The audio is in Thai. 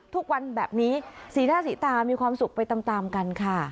ทุกวันแบบนี้สีหน้าสีตามีความสุขไปตามกันค่ะ